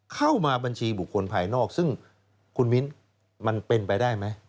เข้ามาบัญชีบุคคลภายนอกซึ่งคุณมิ้นมันเป็นไปได้ไหม